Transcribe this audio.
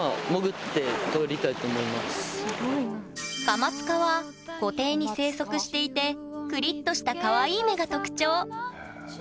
カマツカは湖底に生息していてくりっとしたかわいい目が特徴。